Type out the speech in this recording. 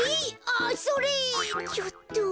あっそれちょっと。